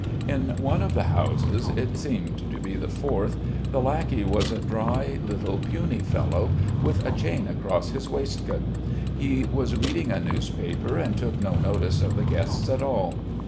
In one of the houses, it seemed to be the fourth, the lackey was a dry little, puny fellow, with a chain across his waistcoat. He was reading a newspaper and took no notice of the guests at all.